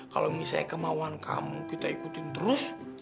kalau misalnya kemauan kamu kita ikutin terus